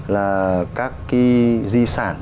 là các cái di sản